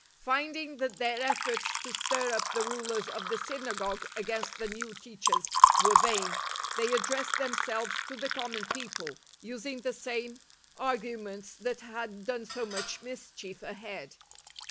Finding that their efforts to stir up the rulers of the synagogue against the new teachers were vain, they addressed themselves to the common people, using the same arguments that had 72 LIFE OF ST. PAUL done so much mischief ahead]'.